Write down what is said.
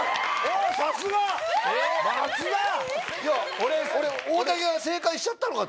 俺大竹が正解しちゃったのかと。